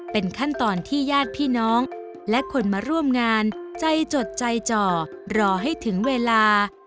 เป็นขั้นตอนที่ญาติพี่น้องและคนมาร่วมงานใจจดใจจ่อรอให้ถึงเวลา